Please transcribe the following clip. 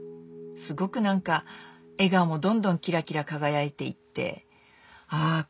すごくなんか笑顔もどんどんキラキラ輝いていってああ